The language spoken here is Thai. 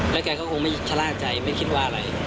แล้วแกก็คงไม่ชะล่าใจไม่คิดว่าอะไร